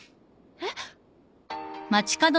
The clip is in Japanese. えっ？